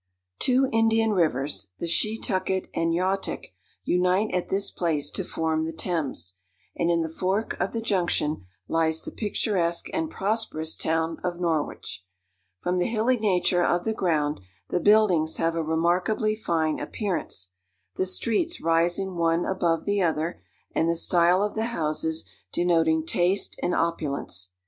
Two Indian rivers, the Shetucket and Yautick, unite at this place to form the Thames, and in the fork of the junction lies the picturesque and prosperous town of Norwich. From the hilly nature of the ground, the buildings have a remarkably fine appearance, the streets rising one above the other, and the style of the houses denoting taste and opulence.